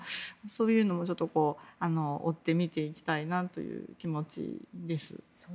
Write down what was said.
そういうのも追って見ていただきたいなという気持ちです。